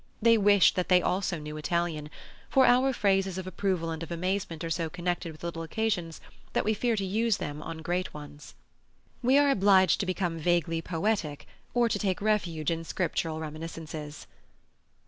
They wished that they also knew Italian, for our phrases of approval and of amazement are so connected with little occasions that we fear to use them on great ones. We are obliged to become vaguely poetic, or to take refuge in Scriptural reminiscences.